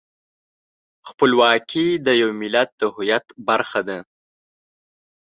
خپلواکي د یو ملت د هویت برخه ده.